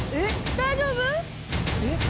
大丈夫？